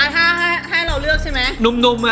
อ๋อชอบหัวข้าวเหรอ